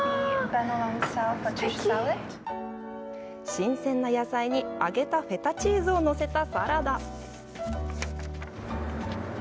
新鮮な野菜に揚げたフェタチーズをのせたサラダ。